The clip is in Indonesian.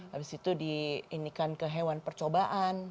habis itu diindikan ke hewan percobaan